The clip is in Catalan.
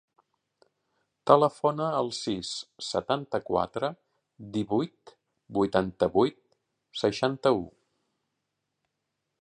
Telefona al sis, setanta-quatre, divuit, vuitanta-vuit, seixanta-u.